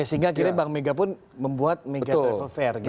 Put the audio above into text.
sehingga akhirnya bank mega pun membuat mega travel fair gitu